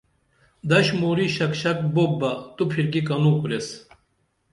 دش مُورِی شکشک بُپ بہ تو پِھرکی کنوکُریس